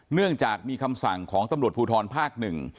เนื่องจากมีคำสั่งของตำรวจภูทรภาคหนึ่ง